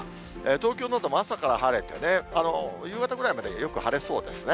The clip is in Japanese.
東京なども朝から晴れてね、夕方ぐらいまでよく晴れそうですね。